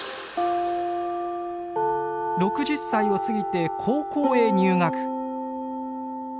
６０歳を過ぎて高校へ入学！